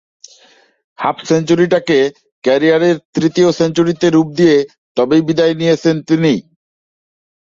Half সেঞ্চুরিটাকে ক্যারিয়ারের তৃতীয় সেঞ্চুরিতে রূপ দিয়ে তবেই বিদায় নিয়েছেন তিনি।